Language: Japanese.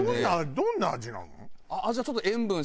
どんな味なの？